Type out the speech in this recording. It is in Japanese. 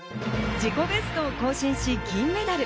自己ベストを更新し銀メダル。